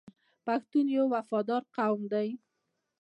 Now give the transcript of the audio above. پښتون یو وفادار قوم دی.